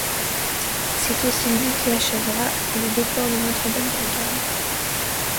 C'est aussi lui qui achèvera les décors de Notre Dame de la Garde.